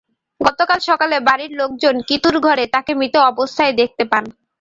গতকাল সকালে বাড়ির লোকজন কিতুর ঘরে তাঁকে মৃত অবস্থায় দেখতে পান।